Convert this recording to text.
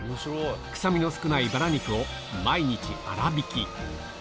臭みの少ないバラ肉を毎日、粗びき。